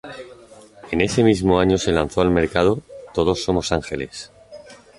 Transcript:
En ese mismo año se lanzó al mercado "Todos somos ángeles".